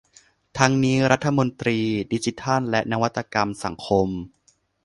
ทั้งนี้รัฐมนตรีดิจิทัลและนวัตกรรมสังคม